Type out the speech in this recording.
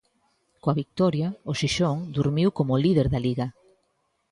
Coa vitoria, o Xixón durmiu como líder da Liga.